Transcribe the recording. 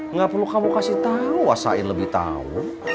nggak perlu kamu kasih tahu wasain lebih tahu